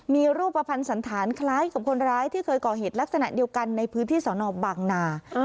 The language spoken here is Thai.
มีรูปภัณฑ์สันธารคล้ายกับคนร้ายที่เคยก่อเหตุลักษณะเดียวกันในพื้นที่สนบางนา